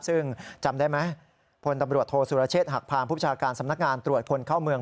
ซึ่งจำได้ไหมพลตำรวจโทษสุรเชษฐหักพานผู้ประชาการสำนักงานตรวจคนเข้าเมือง